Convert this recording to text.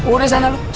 udah sana lu